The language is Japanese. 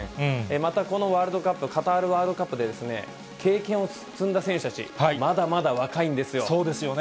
またこのワールドカップ、カタールワールドカップで、経験を積んだ選手たち、まだまだ若いんですそうですよね。